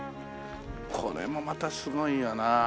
これもまたすごいよなあ。